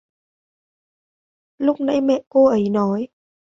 Lúc nãy mẹ cô ấy nói